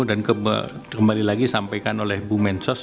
dan kembali lagi sampaikan oleh bu mensos